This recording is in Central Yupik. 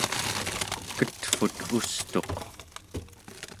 ketvut ustuq